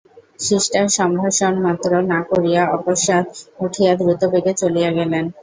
শিষ্টসম্ভাষণমাত্র না করিয়া অকস্মাৎ উঠিয়া দ্রুতবেগে চলিয়া গেলেন।